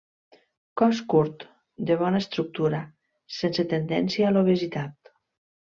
Cos curt, de bona estructura, sense tendència a l'obesitat.